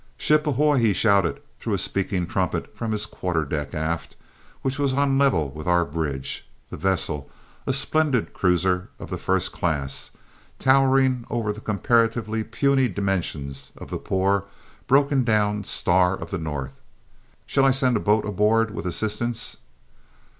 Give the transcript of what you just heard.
"Ship ahoy!" he shouted through a speaking trumpet from his quarter deck aft, which was on a level with our bridge, the vessel, a splendid cruiser of the first class, towering over the comparatively puny dimensions of the poor, broken down Star of the North. "Shall I send a boat aboard with assistance?"